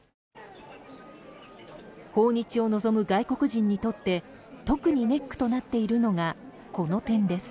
訪日を望む外国人にとって特にネックとなっているのがこの点です。